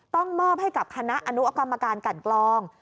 ต้องมอบให้กับคณะอนุกรรมการกันกรอง